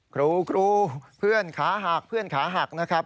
ครูเพื่อนขาหักเพื่อนขาหักนะครับ